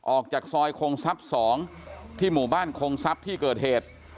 ออกจากซอยคงทรัพย์๒ที่หมู่บ้านคงทรัพย์ที่เกิดเหตุ